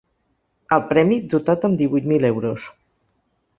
El premi, dotat amb divuit mil euros.